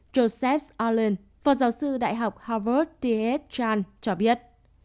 joseph allen phó giáo sư đại học harvard t h chan cho biết